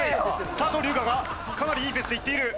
佐藤龍我がかなりいいペースでいっている。